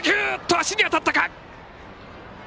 足に当たったか。